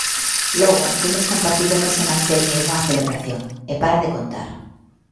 Logo, temos compartido mesa e mantel nalgunha celebración, e para de contar.